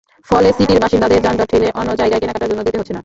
ফলে সিটির বাসিন্দাদের যানজট ঠেলে অন্য জায়গায় কেনাকাটার জন্য যেতে হচ্ছে না।